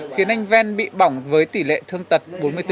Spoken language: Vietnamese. khiến anh ven bị bỏng với tỷ lệ thương tật bốn mươi bốn